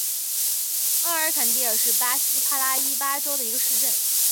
阿尔坎蒂尔是巴西帕拉伊巴州的一个市镇。